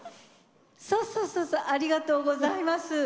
そうそうそうそうありがとうございます。